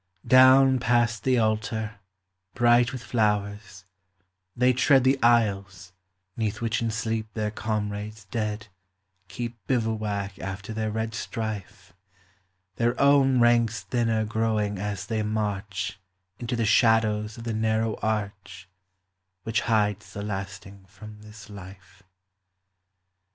Down past the altar, bright with flowers, they tread The aisles 'neath which in sleep their comrades dead Keep bivouac after their red strife, Their own ranks thinner growing as they march Into the shadows of the narrow arch Which hides the lasting from this life.